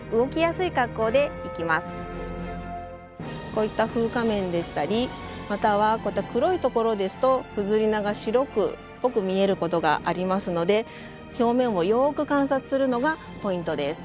こういった風化面でしたりまたはこういった黒い所ですとフズリナが白っぽく見えることがありますので表面をよく観察するのがポイントです。